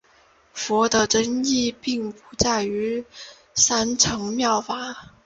佛的真意并不再说三乘妙法。